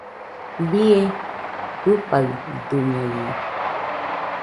¡Bie jɨfaidɨñaino!